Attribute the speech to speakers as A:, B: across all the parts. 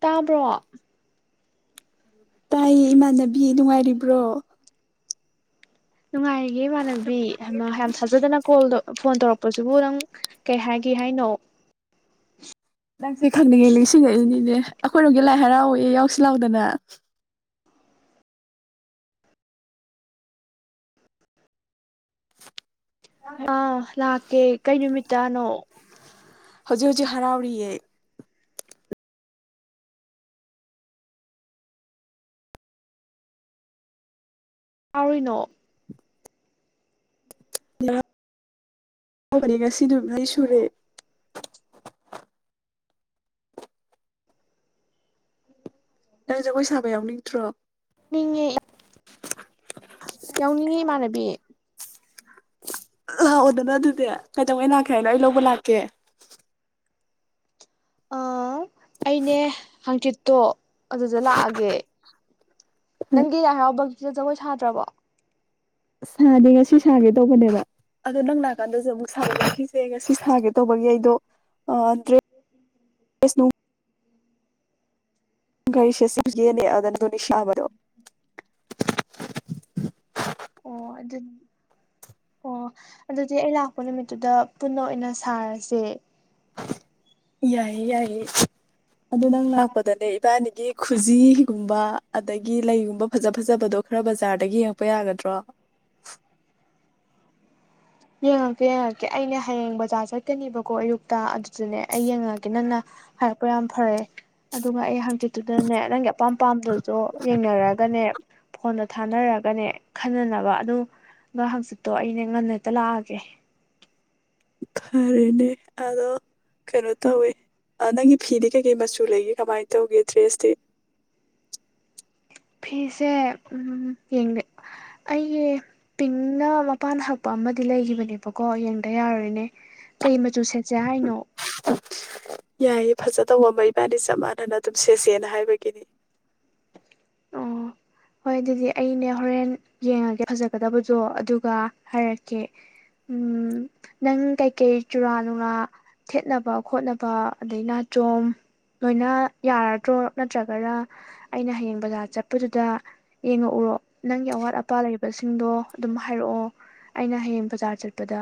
A: ꯇꯥꯕ꯭ꯔꯣ?
B: ꯇꯥꯏꯌꯦ ꯏꯃꯥꯟꯅꯕꯤ ꯅꯨꯡꯉꯥꯏꯔꯤꯕ꯭ꯔꯣ?
A: ꯅꯨꯡꯉꯥꯏꯔꯤꯌꯦ ꯏꯃꯥꯟꯅꯕꯤ ꯍꯩꯃꯥ ꯌꯥꯝ ꯊꯥꯖꯗꯅ ꯀꯣꯜ ꯐꯣꯟ ꯇꯧꯔꯛꯄꯁꯤꯕꯨ ꯅꯪ ꯀꯩ ꯍꯥꯏꯒꯦ ꯍꯥꯏꯅꯣ?
B: ꯅꯪꯁꯦ ꯈꯪꯅꯤꯡꯉꯦ ꯅꯤꯡꯁꯤꯡꯉꯛꯏꯅꯤꯅꯦ ꯑꯩꯈꯣꯏꯔꯣꯝꯒꯤ ꯂꯥꯏ ꯍꯔꯥꯎꯋꯌꯦ ꯌꯥꯎꯁꯤꯜ ꯂꯥꯎꯗꯅ꯫
A: ꯑ ꯂꯥꯛꯀꯦ ꯀꯩ ꯅꯨꯃꯤꯠ ꯇꯥꯅꯣ?
B: ꯍꯧꯖꯤꯛ - ꯍꯧꯖꯤꯛ ꯍꯔꯥꯎꯔꯤꯌꯦ꯫
A: ꯇꯥꯔꯤꯅꯣ [unintelligible]
B: ꯅꯤ ꯉꯁꯤ ꯅꯨꯗꯤ ꯁꯨꯔꯦ [unintelligible] ꯅꯪ ꯖꯒꯣꯏ ꯁꯥꯕ ꯌꯥꯎꯅꯤꯡꯗ꯭ꯔꯣ
A: ꯌꯥꯎꯅꯤꯡꯉꯦ ꯌꯥꯎꯅꯤꯡꯉꯤ ꯏꯃꯥꯟꯅꯕꯤ
B: ꯂꯥꯛ ꯑꯣꯗꯅ ꯑꯗꯨꯗꯤ ꯀꯩꯗꯧꯉꯩꯂꯥꯛꯀꯦ ꯍꯥꯏꯅꯣ ꯑꯩ ꯂꯧꯕ ꯂꯥꯛꯀꯦ
A: ꯑ ꯑꯩꯅꯦ ꯍꯥꯡꯆꯤꯠꯇꯣ ꯑꯗꯨꯗ ꯂꯥꯛꯑꯒꯦ ꯅꯪꯒꯤ ꯂꯥꯏ ꯍꯔꯥꯎꯕꯝ ꯁꯤꯗ ꯖꯒꯣꯏ ꯁꯥꯗ꯭ꯔꯕꯣ
B: ꯁꯥꯗꯤꯌꯦ ꯉꯁꯤ ꯁꯥꯒꯦ ꯇꯧꯕꯅꯦꯕ ꯑꯗꯣ ꯅꯪ ꯅꯥꯀꯥꯟꯗꯁꯨ ꯑꯃꯨꯛ ꯁꯤꯁꯦ ꯉꯁꯤ ꯁꯥꯒꯦ ꯇꯧꯕꯒꯤ ꯑꯩꯗꯣ ꯗ꯭ꯔꯦꯁ ꯅꯨꯡ ꯀꯩꯁꯦꯠꯁꯦ ꯑꯟꯗꯨꯅꯤꯁꯥꯕꯔꯣ
A: ꯑꯣ ꯑꯗꯨ ꯑꯣ ꯑꯗꯨꯗꯤ ꯑꯩ ꯂꯥꯛꯄ ꯅꯨꯃꯤꯠꯇꯨꯗ ꯄꯨꯟꯅ ꯑꯣꯏꯅ ꯁꯥꯔꯁꯦ
B: ꯌꯥꯏꯌꯦ ꯌꯥꯏꯌꯦ ꯑꯗꯨ ꯅꯪ ꯂꯥꯛꯄꯗꯅꯦ ꯏꯕꯥꯅꯤꯒꯤ ꯈꯨꯖꯤꯒꯨꯝꯕ ꯑꯗꯒꯤ ꯂꯩꯒꯨꯝꯕ ꯐꯖ ꯐꯖꯕꯗꯣ ꯈꯔ ꯕꯖꯥꯔꯗꯒꯤ ꯌꯦꯡꯉꯛꯄ ꯌꯥꯒꯗ꯭ꯔꯣ
A: ꯌꯦꯡꯉꯛꯀꯦ ꯌꯦꯡꯉꯛꯀꯦ ꯑꯩꯅꯦ ꯍꯌꯦꯡ ꯕꯖꯥꯔ ꯆꯠꯀꯅꯦꯕꯀꯣ ꯑꯌꯨꯛꯇ ꯆꯨꯅꯦ ꯑꯩ ꯌꯦꯡꯉꯛꯑꯒꯦ ꯅꯪꯅ ꯍꯥꯏꯔꯛꯄ ꯌꯥꯝ ꯐꯔꯛꯑꯦ ꯑꯗꯨꯒ ꯑꯩ ꯍꯪꯆꯤꯠ ꯑꯗꯨꯗꯅꯦ ꯅꯪꯒꯤ ꯑꯄꯥꯝ ꯄꯥꯝꯝꯕꯗꯨꯁꯨ ꯌꯦꯡꯅꯔꯒꯅꯦ ꯐꯣꯟꯗ ꯊꯥꯅꯔꯒꯅꯦ ꯈꯟꯅꯅꯕ ꯑꯗꯨꯒ ꯍꯪꯆꯤꯠꯇꯣ ꯑꯩꯅ ꯉꯟꯅ ꯇ ꯂꯥꯛꯒꯦ
B: ꯐꯔꯦꯅꯦ ꯑꯗꯣ ꯀꯩꯅꯣ ꯇꯧꯋꯦ ꯅꯪꯒꯤ ꯐꯤꯗꯤ ꯀꯩꯀꯩ ꯃꯆꯨ ꯂꯩꯒꯦ ꯀꯃꯥꯏꯅ ꯇꯧꯒꯦ ꯗ꯭ꯔꯦꯁꯇꯤ
A: ꯐꯤꯁꯦ ꯑꯩꯒꯤ ꯄꯤꯡꯅ ꯃꯄꯥꯟ ꯍꯛꯄ ꯑꯃꯗꯤ ꯂꯩꯈꯤꯕꯅꯦꯕꯀꯣ ꯌꯦꯡꯗ ꯌꯥꯔꯣꯏꯅꯦ ꯀꯩ ꯃꯆꯨ ꯁꯦꯠꯁꯦ ꯍꯥꯏꯅꯣ
B: ꯐꯖꯗꯧꯕ ꯃꯩ ꯏꯕꯥꯟꯅꯤ ꯆꯞ ꯃꯥꯟꯅꯅ ꯑꯗꯨꯝ ꯁꯦꯠꯁꯦꯅ ꯍꯥꯏꯕꯒꯤꯅꯤ
A: ꯑꯣ ꯍꯣꯏ ꯑꯗꯨꯗꯤ ꯑꯩꯅꯦ ꯍꯣꯔꯦꯟ ꯌꯦꯡꯉꯒꯦ ꯐꯖꯒꯗꯕꯗꯣ ꯑꯗꯨꯒ ꯍꯥꯏꯔꯛꯀꯦ ꯅꯪ ꯀꯩꯀꯩ ꯆꯨꯔꯥ ꯅꯨꯡꯂꯥ ꯊꯦꯠꯅꯕ ꯈꯣꯠꯅꯕ ꯑꯗꯩ ꯅꯥꯆꯣꯝ ꯂꯣꯏꯅ ꯌꯥꯔꯗ꯭ꯔꯣ ꯅꯠꯇ꯭ꯔꯒꯅ ꯑꯩꯅ ꯍꯌꯦꯡ ꯕꯖꯥꯔ ꯆꯠꯄꯗꯨꯗ ꯌꯦꯡꯉꯛꯎꯔꯣ ꯅꯪꯒꯤ ꯑꯋꯥꯠ ꯑꯄꯥ ꯂꯩꯕꯁꯤꯡꯗꯣ ꯑꯗꯨꯝ ꯍꯥꯏꯔꯛꯑꯣ ꯑꯩꯅ ꯍꯌꯦꯡ ꯕꯖꯥꯔ ꯆꯠꯄꯗ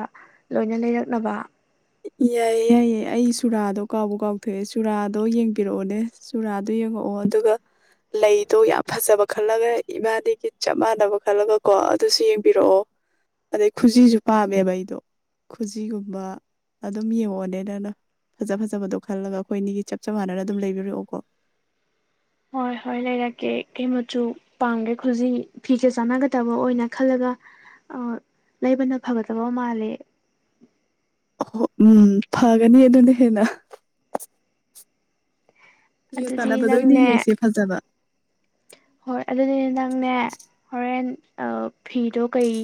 A: ꯂꯣꯏꯅ ꯂꯩꯔꯛꯅꯕ
B: ꯌꯥꯏꯌꯦ ꯌꯥꯏꯌꯦ ꯑꯩ ꯆꯨꯔꯥꯗꯣ ꯀꯥꯎꯕ ꯀꯥꯎꯊꯣꯛꯑꯦ ꯆꯨꯔꯥꯗꯣ ꯌꯦꯡꯕꯤꯔꯛꯑꯣꯅꯦ ꯆꯨꯔꯥꯗꯣ ꯌꯦꯡꯉꯛꯑꯣ ꯑꯗꯨꯒ ꯂꯩꯗꯣ ꯌꯥꯝ ꯐꯖꯕ ꯈꯜꯂꯒ ꯏꯃꯥꯗꯒꯤ ꯆꯞ ꯃꯥꯟꯅꯕ ꯈꯜꯂꯒ ꯀꯣ ꯑꯗꯨꯁꯨ ꯌꯦꯡꯕꯤꯔꯛꯑꯣ ꯑꯗꯩ ꯈꯨꯖꯤꯁꯨ ꯄꯥꯝꯃꯦꯕ ꯑꯩꯗꯣ ꯈꯨꯖꯤꯒꯨꯝꯕ ꯑꯗꯨꯝ ꯌꯦꯡꯉꯛꯑꯣꯅꯦ ꯅꯪꯅ ꯐꯖ ꯐꯖꯕꯗꯣ ꯈꯜꯂꯒ ꯑꯩꯈꯣꯏꯅꯤꯒꯤ ꯆꯞ ꯃꯥꯟꯅꯅ ꯑꯗꯨꯝ ꯂꯩꯕꯤꯔꯛꯑꯣꯀꯣ
A: ꯍꯣꯏ ꯍꯣꯏ ꯂꯩꯔꯛꯀꯦ ꯀꯩ ꯆꯨ ꯄꯥꯝꯒꯦ ꯈꯨꯖꯤ ꯐꯤꯖꯦ ꯆꯥꯟꯅꯒꯗꯕ ꯑꯣꯏꯅ ꯈꯜꯂꯒ ꯂꯩꯕꯅ ꯐꯒꯗꯕ ꯃꯥꯜꯂꯦ
B: ꯑꯣ ꯎꯝ ꯐꯒꯅꯤ ꯑꯗꯨꯅ ꯍꯦꯟꯅ ꯌꯦ
A: ꯑꯗꯨꯗꯤ
B: ꯇꯥꯟꯅꯕꯗ ꯑꯣꯏꯅ
A: ꯅꯪꯅꯦ
B: ꯌꯦꯡꯁꯦ ꯐꯖꯕ
A: ꯍꯣꯏ ꯑ ꯐꯤꯗꯣ ꯀꯩ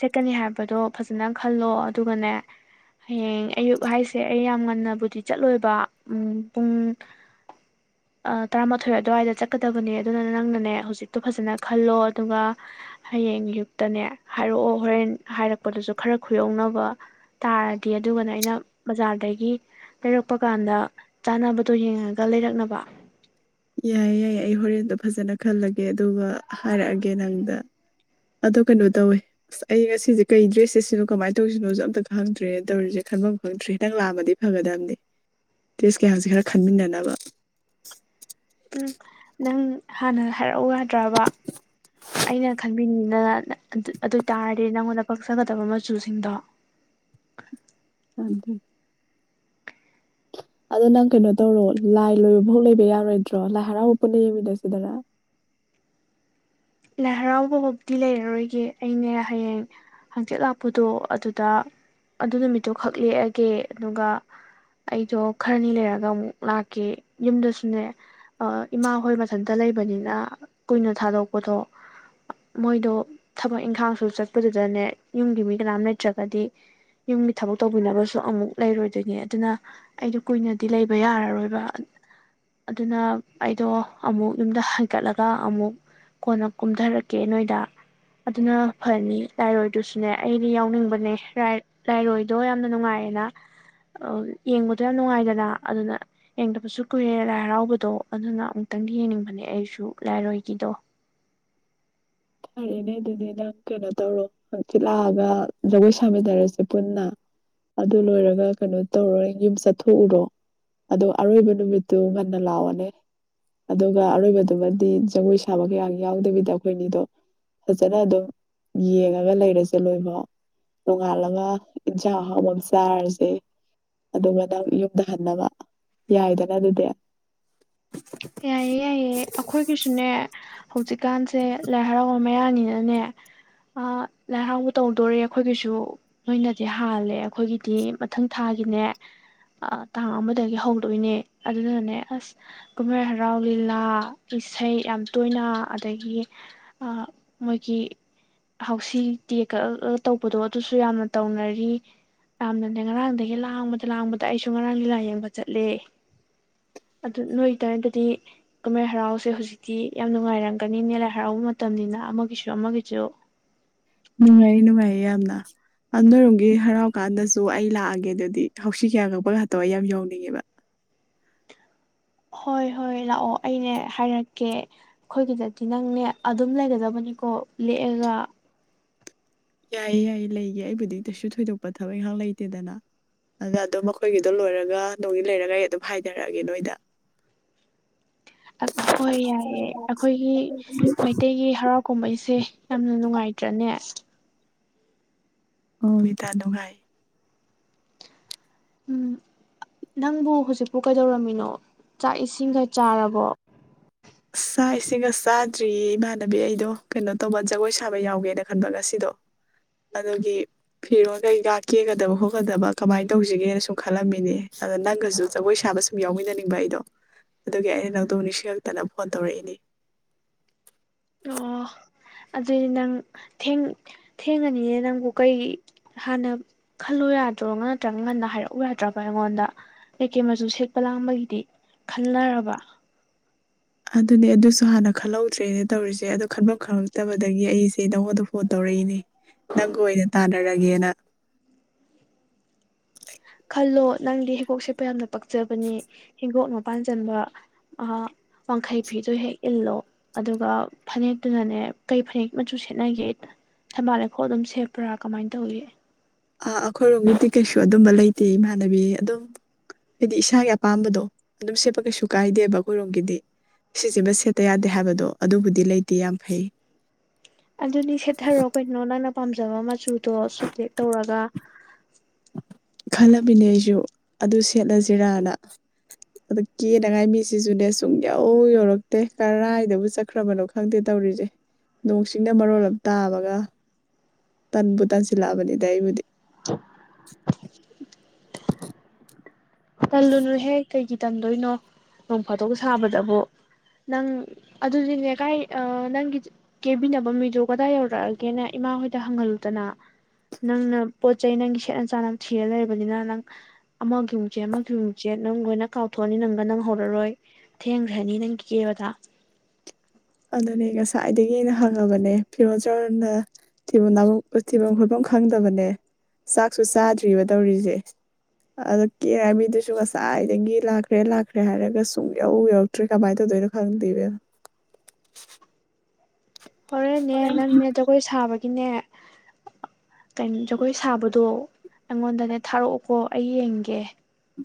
A: ꯁꯦꯠꯀꯅꯤ ꯍꯥꯏꯕꯗꯣ ꯐꯖꯅ ꯈꯜꯂꯣ ꯑꯗꯨꯒꯅꯦ ꯍꯌꯦꯡ ꯑꯌꯨꯛ ꯍꯥꯏꯁꯦ ꯑꯩ ꯌꯥꯝ ꯉꯟꯅꯕꯨꯗꯤ ꯆꯠꯂꯣꯏꯕ ꯄꯨꯡ ꯇꯔꯥꯃꯥꯊꯣꯏ ꯑꯗꯨꯋꯥꯏꯗ ꯆꯠꯀꯗꯕꯅꯦ ꯑꯗꯨꯅ ꯅꯪꯅ ꯅꯦ ꯍꯧꯖꯤꯛꯇꯣ ꯐꯖꯅ ꯈꯜꯂꯣ ꯑꯗꯨꯒ ꯍꯌꯦꯡ ꯑꯌꯨꯛꯇꯅꯦ ꯍꯥꯏꯔꯛꯑꯣ ꯍꯣꯔꯦꯟ ꯍꯥꯏꯔꯛꯄꯗꯨꯁꯨ ꯈꯔ ꯈꯨꯌꯧꯅꯕ ꯇꯥꯔꯗꯤ ꯑꯗꯨꯒꯅ ꯑꯩꯅ ꯕꯖꯥꯔꯗꯒꯤ ꯂꯩꯔꯛꯄ ꯀꯥꯟꯗ ꯆꯥꯟꯅꯕꯗꯣ ꯌꯦꯡꯉꯒ ꯂꯩꯔꯛꯅꯕ
B: ꯌꯥꯌꯦ ꯌꯥꯌꯦ ꯑꯩ ꯍꯣꯔꯦꯟꯗꯣ ꯐꯖꯅ ꯈꯜꯂꯒꯦ ꯑꯗꯨꯒ ꯍꯥꯏꯔꯛꯑꯒꯦ ꯅꯪꯗ ꯑꯗꯣ ꯀꯩꯅꯣ ꯇꯧꯋꯦ ꯑꯁ ꯑꯩ ꯉꯁꯤꯁꯦ ꯀꯩ ꯗ꯭ꯔꯦꯁ ꯆꯦꯠꯁꯤꯅꯣ ꯀꯃꯥꯏꯅ ꯇꯧꯁꯤꯅꯣꯁꯨ ꯑꯃꯇ ꯈꯪꯗ꯭ꯔꯦ ꯇꯧꯔꯤꯁꯦ ꯈꯟꯐꯝ ꯈꯪꯗ꯭ꯔꯦ ꯅꯪ ꯂꯥꯛꯑꯃꯗꯤ ꯐꯒꯗꯝꯕꯅꯦ ꯗꯔ꯭ꯦ ꯁ ꯀꯌꯥꯁꯦ ꯈꯔ ꯈꯟꯃꯤꯟꯅꯅꯕ
A: ꯎꯝ ꯅꯪ ꯍꯥꯟꯅ ꯍꯥꯏꯔꯛꯎ ꯌꯥꯗ꯭ꯔꯕ ꯑꯩꯅ ꯈꯟꯕꯤꯅꯤꯗꯅ ꯑꯗꯨ ꯑꯣꯏꯇꯥꯥꯔꯗꯤ ꯅꯪꯉꯣꯟꯗ ꯄꯛꯆꯒꯗꯕ ꯃꯆꯨꯁꯤꯡꯗꯣ
B: ꯑ ꯑꯗꯣ ꯅꯪ ꯀꯩꯅꯣ ꯇꯧꯔꯣ ꯂꯥꯏ ꯂꯣꯏꯕ ꯐꯥꯎ ꯂꯩꯕ ꯌꯥꯔꯣꯏꯗ꯭ꯔꯣ ꯂꯥꯏ ꯍꯔꯥꯎꯕ ꯄꯨꯟꯅ ꯌꯦꯡꯃꯤꯟꯅꯁꯤꯗꯅ
A: ꯂꯥꯏ ꯍꯔꯥꯎꯕ ꯐꯧꯗꯤ ꯂꯩꯔꯔꯣꯏꯒꯦ ꯑꯩꯅꯦ ꯍꯌꯦꯡ ꯍꯡꯆꯤꯠ ꯂꯥꯛꯄꯗꯣ ꯑꯗꯨꯗ ꯑꯗꯨ ꯅꯨꯃꯤꯠꯇꯨ ꯈꯛ ꯂꯦꯛꯑꯒꯦ ꯑꯗꯨꯒ ꯑꯩꯗꯣ ꯈꯔꯅꯤ ꯂꯩꯔꯒ ꯑꯃꯨꯛ ꯂꯥꯛꯀꯦ ꯌꯨꯝꯗꯁꯨꯅꯦ ꯏꯃꯥ ꯍꯣꯏ ꯃꯊꯟꯇ ꯂꯩꯕꯅꯤꯅ ꯀꯨꯏꯅ ꯊꯥꯗꯣꯛ ꯄꯣꯠꯇꯣ ꯃꯣꯏꯗꯣ ꯊꯕꯛ ꯏꯪꯈꯥꯡꯁꯨ ꯆꯠꯄꯗꯨꯗꯅꯦ ꯌꯨꯝꯒꯤ ꯃꯤ ꯀꯅꯥꯝ ꯂꯩꯇ꯭ꯔꯒꯗꯤ ꯌꯨꯝꯒꯤ ꯊꯕꯛ ꯇꯧꯕꯤꯅꯕꯁꯨ ꯑꯃꯨꯛ ꯂꯩꯔꯣꯏꯗꯣꯏꯅꯦ ꯑꯗꯨꯅ ꯑꯩꯗꯣ ꯀꯨꯏꯅꯗꯤ ꯂꯩꯕ ꯌꯥꯔꯔꯣꯏꯕ ꯑꯗꯨꯅ ꯑꯩꯗꯣ ꯑꯃꯨꯛ ꯌꯨꯝꯗ ꯍꯥꯏꯀꯠꯂꯒ ꯑꯃꯨꯛ ꯀꯣꯟꯅ ꯀꯨꯝꯊꯔꯛꯀꯦ ꯅꯣꯏꯗ ꯑꯗꯨꯅ ꯐꯅꯤ ꯂꯥꯏꯔꯣꯏꯗꯨꯁꯨꯅꯦ ꯑꯩꯗꯤ ꯌꯥꯎꯅꯤꯡꯕꯅꯦ ꯂꯥꯏꯔꯣꯏꯗꯣ ꯌꯥꯝꯅ ꯅꯨꯡꯉꯥꯏꯌꯦꯅ ꯌꯦꯡꯕꯗꯣ ꯌꯥꯝ ꯅꯨꯡꯉꯥꯏꯗꯅ ꯑꯗꯨꯅ ꯌꯦꯡꯗꯕꯁꯨ ꯀꯨꯏꯔꯦ ꯂꯥꯏ ꯍꯔꯥꯎꯕꯗꯣ ꯑꯗꯨꯅ ꯑꯃꯨꯛꯇꯪꯗꯤ ꯌꯦꯡꯅꯤꯡꯕꯅꯦ ꯑꯩꯁꯨ ꯂꯥꯏꯔꯣꯏꯒꯤꯗꯣ
B: ꯐꯔꯦꯅꯦ ꯑꯗꯨꯗꯤ ꯅꯪ ꯀꯩꯅꯣ ꯇꯧꯔꯣ ꯍꯪꯆꯤꯠ ꯂꯥꯛꯑꯒ ꯖꯒꯣꯏ ꯁꯥꯃꯤꯟꯅꯔꯁꯦ ꯄꯨꯟꯅ ꯑꯗꯨ ꯂꯣꯏꯔꯒ ꯀꯩꯅꯣ ꯇꯧꯔꯣ ꯅ ꯌꯨꯝ ꯆꯠꯊꯣꯛꯎꯔꯣ ꯑꯗꯣ ꯑꯔꯣꯏꯕ ꯅꯨꯃꯤꯠꯇꯨ ꯉꯟꯅ ꯂꯥꯛꯑꯣꯅꯦ ꯑꯗꯨꯒ ꯑꯔꯣꯏꯕꯗꯨꯃꯗꯤ ꯖꯒꯣꯏ ꯁꯥꯕ ꯀꯌꯥ ꯌꯥꯎꯗꯕꯤꯗ ꯑꯩꯈꯣꯏꯅꯤꯗꯣ ꯐꯖꯅ ꯑꯗꯨꯝ ꯌꯦꯡꯉꯒ ꯂꯩꯔꯁꯦ ꯂꯣꯏꯐꯥꯎ ꯅꯣꯡꯉꯥꯜꯂꯒ ꯏꯟꯁꯥꯡ ꯑꯍꯥꯎꯕ ꯑꯃ ꯆꯥꯔꯁꯦ ꯑꯗꯨꯒ ꯅꯪ ꯌꯨꯝꯗ ꯍꯟꯅꯕ ꯌꯥꯏꯗꯅ ꯑꯗꯨꯗꯤ
A: ꯌꯥꯏꯌꯦ ꯌꯥꯏꯌꯦ ꯑꯩꯈꯣꯏꯒꯤꯁꯨꯅꯦ ꯍꯧꯖꯤꯛꯀꯥꯟꯁꯦ ꯂꯥꯏ ꯍꯔꯥꯎ ꯃꯌꯥꯅꯤꯅꯅꯦ ꯑꯃ ꯂꯥꯏꯍꯔꯥꯎꯕ ꯇꯧꯗꯣꯔꯦ ꯑꯩꯈꯣꯏꯒꯤꯁꯨ ꯅꯣꯏꯅꯗꯤ ꯍꯥꯜꯂꯦ ꯑꯩꯈꯣꯏꯒꯤꯗꯤ ꯃꯊꯪ ꯊꯥꯒꯤꯅꯦ ꯇꯥꯡ ꯑꯃꯗꯒꯤ ꯍꯧꯗꯣꯏꯅꯦ ꯑꯗꯨꯗꯨꯅꯅꯦ ꯑꯁ ꯀꯨꯝꯍꯩ ꯍꯔꯥꯎ ꯂꯤꯂꯥ ꯏꯁꯩ ꯌꯥꯝ ꯇꯣꯏꯅ ꯑꯗꯒꯤ ꯃꯣꯏꯒꯤ ꯍꯥꯎꯁꯤ ꯇꯤꯀꯦꯠ ꯀꯛꯑꯒ ꯇꯧꯕꯗꯣ ꯑꯗꯨꯁꯨ ꯌꯥꯝꯅ ꯇꯧꯅꯔꯤ ꯌꯥꯝꯅꯅꯦ ꯉꯔꯥꯡꯗꯒꯤ ꯂꯥꯡꯕꯗ ꯂꯥꯡꯕꯗ ꯑꯩꯁꯨ ꯉꯔꯥꯡ ꯂꯤꯂꯥ ꯌꯦꯡꯕ ꯆꯠꯂꯦ ꯑꯗꯨ ꯅꯣꯏ ꯇꯔꯗꯗꯤ ꯀꯨꯝꯃꯩ ꯍꯔꯥꯎꯁꯦ ꯍꯧꯖꯤꯛꯇꯤ ꯌꯥꯝ ꯅꯨꯡꯉꯥꯏꯔꯝꯒꯅꯤꯅꯦ ꯂꯥꯏ ꯍꯔꯥꯎꯕ ꯃꯇꯝꯅꯤꯅ ꯑꯃꯒꯤꯁꯨ ꯑꯃꯒꯤꯁꯨ
B: ꯅꯨꯡꯉꯥꯏ ꯅꯨꯡꯉꯥꯏꯌꯦ ꯌꯥꯝꯅ ꯑ ꯅꯣꯏꯔꯣꯝꯒꯤ ꯍꯔꯥꯎ ꯀꯥꯟꯗꯁꯨ ꯑꯩ ꯂꯥꯛꯑꯒꯦ ꯑꯗꯨꯗꯤ ꯍꯧꯁꯤ ꯀꯩꯀꯥ ꯀꯛꯄ ꯀꯥꯗꯣ ꯑꯩ ꯌꯥꯝ ꯌꯧꯅꯤꯡꯉꯦꯕ
A: ꯍꯣꯏ ꯍꯣꯏ ꯂꯥꯛꯑꯣ ꯑꯩꯅꯦ ꯍꯥꯏꯔꯛꯀꯦ ꯑꯩꯈꯣꯏꯒꯤꯗꯗꯤ ꯅꯪꯅꯦ ꯑꯗꯨꯝ ꯂꯩꯒꯗꯕꯅꯤꯀꯣ ꯂꯦꯛꯑꯒ
B: ꯌꯥꯏꯌꯦ ꯌꯥꯏꯌꯦ ꯂꯩꯒꯦ ꯑꯩꯕꯨꯗꯤ ꯀꯩꯁꯨ ꯊꯣꯏꯗꯣꯛꯄ ꯊꯕꯛ ꯏꯪꯈꯥꯡ ꯂꯩꯇꯦꯗꯅ ꯑꯗꯨꯗ ꯑꯗꯣ ꯃꯈꯣꯏꯒꯤꯗꯣ ꯂꯣꯏꯔꯒ ꯅꯣꯡꯒꯤ ꯂꯩꯔꯒ ꯑꯩ ꯑꯗꯨꯝ ꯍꯥꯏꯊꯔꯛꯑꯒꯦ ꯅꯣꯏꯗ
A: ꯍꯣꯏ ꯌꯥꯏꯌꯦ ꯑꯩꯈꯣꯏꯒꯤ ꯃꯩꯇꯩꯒꯤ ꯍꯔꯥꯎ ꯀꯨꯝꯍꯩꯁꯦ ꯌꯥꯝꯅ ꯅꯨꯡꯉꯥꯏꯇ꯭ꯔꯅꯦ
B: ꯑꯣꯎ ꯏꯇꯥ ꯅꯨꯡꯉꯥꯏ
A: ꯎꯝ ꯅꯪꯕꯨ ꯍꯧꯖꯤꯛꯄꯨ ꯀꯩꯗꯧꯔꯝꯃꯤꯅꯣ ꯆꯥꯛ ꯏꯁꯤꯡꯒ ꯆꯥꯔꯕꯣ
B: ꯆꯥꯛ ꯏꯁꯤꯡꯒ ꯆꯥꯗ꯭ꯔꯤꯌꯦ ꯏꯃꯥꯟꯅꯕꯤ ꯑꯩꯗꯣ ꯀꯩꯅꯣ ꯇꯧꯕ ꯖꯒꯣꯏ ꯁꯥꯕ ꯌꯥꯎꯒꯦꯅ ꯈꯟꯕ ꯉꯁꯤꯗꯣ ꯑꯗꯨꯒꯤ ꯐꯤꯔꯣꯜ ꯀꯩꯀ ꯀꯦꯒꯗꯕ ꯈꯣꯠꯀꯗꯕ ꯀꯃꯥꯏꯅ ꯇꯧꯁꯤꯒꯦꯅ ꯁꯨꯝ ꯈꯜꯂꯝꯃꯤꯅꯦ ꯑꯗ ꯅꯪꯒꯁꯨ ꯖꯒꯣꯏ ꯁꯥꯕ ꯁꯨꯝ ꯌꯥꯎꯃꯤꯟꯅꯅꯤꯡꯕ ꯑꯩꯗꯣ ꯑꯗꯨꯒꯤ ꯑꯩꯅ ꯅꯗꯧ ꯅꯤꯡꯁꯤꯡ ꯇꯅ ꯐꯣꯟ ꯇꯧꯔꯛꯏꯅꯦ
A: ꯑꯣ ꯑꯗꯨꯏꯗꯤ ꯅꯪ ꯊꯦꯡꯉꯅꯤꯅꯦ ꯅꯪꯕꯨ ꯀꯩ ꯍꯥꯟꯅ ꯈꯜꯂꯨ ꯌꯥꯗ꯭ꯔꯣ ꯅꯠꯇ꯭ꯔꯒꯅ ꯉꯟꯅ ꯍꯥꯏꯔꯛꯎ ꯌꯥꯗ꯭ꯔꯕ ꯑꯩꯉꯣꯟꯗ ꯀꯩꯀꯩ ꯃꯆꯨ ꯁꯦꯠꯄ ꯂꯥꯡꯕꯒꯤꯗꯤ ꯈꯂꯔꯕ
B: ꯑꯗꯨꯅꯦ ꯑꯗꯨꯁꯨ ꯍꯥꯟꯅ ꯈꯜꯍꯧꯗ꯭ꯔꯦꯅ ꯇꯧꯔꯤꯁꯦ ꯑꯗꯨ ꯈꯟꯐꯝ ꯈꯪꯔꯛꯇꯕꯗꯒꯤ ꯑꯩꯁꯦ ꯅꯪꯉꯣꯟꯗ ꯐꯣꯟ ꯇꯧꯔꯛꯏꯅꯦ ꯅꯪꯒ ꯑꯣꯏꯅ ꯇꯥꯟꯅꯔꯒꯦꯅ
A: ꯈꯜꯂꯣ ꯅꯪꯗꯤ ꯍꯤꯀꯣꯛꯁꯦ ꯌꯥꯝꯅ ꯄꯛꯆꯕꯅꯤ ꯍꯤꯡꯒꯣꯛꯅ ꯃꯄꯥꯟ ꯆꯟꯕ ꯋꯥꯡꯈꯩ ꯐꯤꯗꯣ ꯍꯦꯛ ꯏꯜꯂꯣ ꯑꯗꯨꯒ ꯐꯅꯦꯛꯇꯨꯅꯅꯦ ꯀꯩ ꯐꯅꯦꯛ ꯃꯆꯨ ꯁꯦꯠꯅꯒꯦ ꯊꯝꯕꯥꯜ ꯂꯩꯈꯣꯛ ꯑꯗꯨꯝ ꯁꯦꯠꯄ꯭ꯔꯥ ꯀꯃꯥꯏꯅ ꯇꯧꯒꯦ
B: ꯑ ꯑꯩꯈꯣꯏꯔꯣꯝꯒꯤꯗꯤ ꯀꯩꯁꯨ ꯑꯗꯨꯝꯕ ꯂꯩꯇꯦ ꯏꯃꯥꯟꯅꯕꯤ ꯑꯗꯨꯝ ꯍꯥꯏꯗꯤ ꯏꯁꯥꯒꯤ ꯑꯄꯥꯝꯕꯗꯣ ꯑꯗꯨꯝ ꯁꯦꯠꯄ ꯀꯩꯁꯨ ꯀꯥꯏꯗꯦꯕ ꯑꯩꯈꯣꯏꯔꯣꯝꯒꯤꯗꯤ ꯁꯤꯁꯤꯃ ꯁꯦꯠꯇ ꯌꯥꯗꯦ ꯍꯥꯏꯕꯗꯣ ꯑꯗꯨꯕꯨꯗꯤ ꯂꯩꯇꯦ ꯌꯥꯝ ꯐꯩ
A: ꯑꯗꯨꯗꯤ ꯁꯦꯊꯔꯣ ꯀꯩꯅꯣ ꯅꯪꯅ ꯄꯥꯝꯖꯕꯥ ꯃꯆꯨ ꯑꯣ ꯁꯨꯠ ꯍꯦꯛ ꯇꯧꯔꯒ
B: ꯈꯂ ꯕꯅꯤ ꯑꯩꯁꯨ ꯑꯗꯨ ꯁꯦꯠꯂꯁꯤꯔꯥꯅ ꯑꯗꯨ ꯀꯦꯅꯉꯥꯏ ꯃꯤꯁꯤꯁꯨꯅꯦ ꯁꯨꯡ ꯌꯧ ꯌꯧꯔꯛꯇꯦ ꯀꯔꯥꯏꯗꯕꯨ ꯆꯠꯈ꯭ꯔꯕꯅꯣ ꯈꯪꯗꯦ ꯇꯧꯔꯤꯁꯦ ꯅꯣꯡ ꯆꯤꯡꯅ ꯃꯔꯣꯜ ꯑꯃ ꯇꯥꯕꯒ ꯇꯟꯕꯨ ꯇꯟꯁꯤꯜꯂꯛꯑꯕꯅꯤꯗ ꯑꯩꯕꯨꯗꯤ
A: ꯇꯜꯂꯨꯅꯨꯍꯦ ꯀꯩꯒꯤ ꯇꯟꯗꯣꯏꯅꯣ ꯅꯣꯡ ꯐꯥꯠꯇꯣꯛ ꯁꯥꯕꯗꯕꯨ ꯅꯪ ꯑꯗꯨꯗꯤꯅꯦ ꯀꯥꯏ ꯅꯪꯒꯤ ꯀꯦꯕꯤꯅꯕ ꯃꯤꯗꯣ ꯀꯗꯥꯏ ꯌꯧꯔꯛꯑꯒꯦꯅ ꯏꯃꯥ ꯍꯣꯏꯗ ꯍꯪꯍꯜꯂꯨꯗꯅ ꯅꯪꯅ ꯄꯣꯠ ꯆꯩ ꯅꯪꯒꯤ ꯁꯦꯠꯅ ꯆꯥꯅ ꯊꯤꯔ ꯂꯩꯔꯕꯅꯤꯅ ꯅꯪ ꯑꯃꯒꯤꯃꯨ ꯆꯦ ꯑꯃꯊꯨꯟ ꯆꯦꯠ ꯅꯪ ꯂꯣꯏꯅ ꯀꯥꯎꯊꯣꯛꯑꯅꯤ ꯅꯪꯒ ꯅꯪ ꯍꯧꯔꯔꯣꯏ ꯊꯦꯡꯈ꯭ꯔꯅꯤ ꯅꯪ ꯀꯦꯕꯗ
B: ꯑꯗꯨꯅꯦ ꯉꯁꯥꯏꯗꯒꯤꯅ ꯍꯪꯉꯕꯅꯦ ꯐꯤꯔꯣꯖꯔꯅꯦ ꯊꯤꯐꯝ ꯈꯣꯠꯐꯝ ꯈꯪꯗꯕꯅꯦ ꯆꯥꯛꯁꯨ ꯆꯥꯗ꯭ꯔꯤꯕ ꯇꯧꯔꯤꯁꯦ ꯑꯗꯣ ꯀꯦꯅꯕꯗꯨꯁꯨ ꯉꯁꯥꯏꯗꯒꯤ ꯂꯥꯛꯈ꯭ꯔꯦ ꯂꯥꯛꯈ꯭ꯔꯦ ꯍꯥꯏꯔꯒ ꯁꯨꯡ ꯌꯧ ꯌꯧꯔꯛꯇ꯭ꯔꯦ ꯀꯃꯥꯏꯅ ꯇꯧꯗꯣꯏꯅꯣ ꯈꯪꯗꯦ ꯏꯕꯦꯃꯃꯥ
A: ꯍꯣꯔꯦꯟꯅꯦ ꯅꯪꯅꯦ ꯖꯒꯣꯏ ꯁꯥꯕ ꯒꯤꯅꯦ ꯀꯩꯃ ꯖꯒꯣꯏ ꯁꯥꯕꯗꯣ ꯑꯩꯉꯣꯟꯗꯅꯦ ꯊꯥꯔꯛꯑꯣꯀꯣ ꯑꯩ ꯌꯦꯡꯒꯦ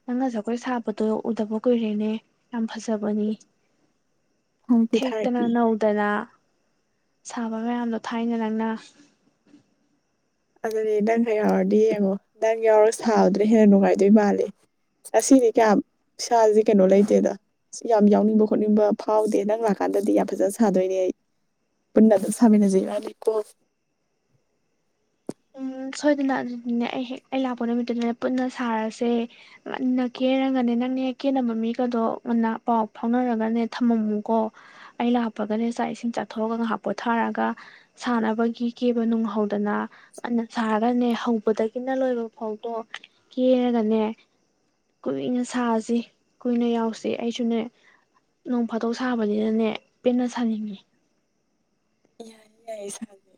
A: ꯅꯪꯅ ꯖꯒꯣꯏ ꯁꯥꯕꯗꯣ ꯎꯗꯕ ꯀꯨꯏꯔꯦꯅꯦ ꯌꯥꯝ ꯐꯖꯕꯅꯤ
B: ꯊꯥꯔꯛꯀꯦ ꯊꯥꯔꯛꯀꯦ
A: ꯊꯦꯛꯇꯅ ꯅꯧꯗꯅ ꯁꯥꯕ ꯃꯌꯥꯝꯗꯣ ꯊꯥꯏꯅ ꯅꯪꯅ
B: ꯑꯗꯨꯗꯤ ꯅꯪꯒ ꯌꯥꯎꯔꯗꯤ ꯌꯦꯡꯉꯣ ꯅꯪ ꯌꯥꯎꯔꯒ ꯁꯥꯕꯗꯅ ꯍꯦꯟꯅ ꯅꯨꯡꯉꯥꯏꯗꯣꯏ ꯃꯥꯂꯦ ꯑꯁꯤꯗꯤ ꯀꯌꯥꯝ ꯁꯥꯁꯤ ꯀꯩꯅꯣ ꯂꯩꯇꯦꯗ ꯑꯁ ꯌꯥꯝ ꯌꯥꯎꯅꯤꯡꯕ ꯈꯣꯠꯅꯤꯡꯕ ꯐꯥꯎꯗꯦ ꯅꯪ ꯂꯥꯛꯀꯥꯟꯗꯗꯤ ꯌꯥꯝ ꯐꯖꯅ ꯁꯥꯗꯣꯏꯅꯦ ꯑꯩ ꯄꯨꯟꯅ ꯑꯗꯨ ꯁꯃꯤꯖꯦ [unintelligible]
A: ꯎꯝ ꯁꯣꯏꯗꯅ ꯑꯗꯨꯗꯤꯅꯦ ꯑꯩ ꯍꯦꯛ ꯑꯩ ꯂꯥꯛꯄ ꯅꯨꯃꯤꯠꯇꯨꯗꯅꯦ ꯄꯨꯟꯅ ꯁꯥꯔꯁꯦ ꯉꯟꯅ ꯈꯦꯔꯒꯅꯦ ꯅꯪꯅꯦ ꯀꯦꯅꯕ ꯃꯤꯒꯗꯣ ꯉꯟꯅ ꯄꯥꯎ ꯐꯥꯎꯅꯔꯒꯅꯦ ꯊꯝꯃꯝꯃꯨꯀꯣ ꯑꯩ ꯂꯥꯛꯄꯒꯅꯦ ꯆꯥꯛ ꯏꯁꯤꯡ ꯆꯥꯊꯣꯛꯑꯒ ꯉꯥꯏꯍꯥꯛ ꯄꯣꯊꯥꯔꯒ ꯁꯥꯅꯕꯒꯤ ꯀꯦꯕ ꯅꯨꯡꯍꯧꯗꯅ ꯐꯟꯅ ꯁꯥꯔꯒꯅꯦ ꯍꯧꯕꯗꯒꯤꯅ ꯂꯣꯏꯕ ꯐꯧꯇꯣ ꯀꯦꯔꯒꯅꯦ ꯀꯨꯏꯅ ꯁꯥꯁꯤ ꯀꯨꯏꯅ ꯌꯥꯎꯁꯤ ꯑꯩꯁꯨꯅꯦ ꯅꯣꯡ ꯐꯥꯠꯇꯣꯛ ꯁꯥꯕꯅꯤꯅꯅꯦ ꯄꯦꯟꯅ ꯁꯥꯅꯤꯡꯉꯤ
B: ꯌꯥꯏ ꯌꯥꯏ ꯁꯥꯖꯦ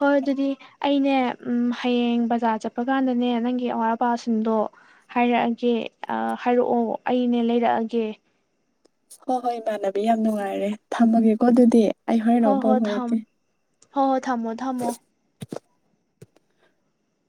A: ꯍꯣꯏ ꯑꯗꯨꯗꯤ ꯑꯩꯅꯦ ꯎꯝ ꯍꯌꯦꯡ ꯕꯖꯥꯔ ꯆꯠꯄ ꯀꯥꯟꯗꯅꯦ ꯅꯪꯒꯤ ꯑꯋꯥꯠ ꯑꯄꯥꯁꯤꯡꯗꯣ ꯍꯥꯏꯔꯛꯑꯒꯦ ꯍꯥꯏꯔꯛꯑꯣ ꯑꯩꯅꯦ ꯂꯩꯔꯛꯑꯒꯦ
B: ꯍꯣꯏ ꯍꯣꯏ ꯏꯃꯥꯟꯅꯕꯤ ꯌꯥꯝ ꯅꯨꯡꯉꯥꯏꯔꯦ ꯊꯝꯃꯒꯦꯀꯣ ꯑꯗꯨꯗꯤ ꯑꯩ ꯍꫭꯔꯦꯟ
A: ꯍꯣ
B: ꯑꯃꯨꯛ ꯄꯥꯎ
A: ꯍꯣ ꯊꯝ
B: ꯐꯥꯎꯔꯛꯀꯦ
A: [unintelligible] ꯊꯝꯃꯣ ꯊꯝꯃꯣ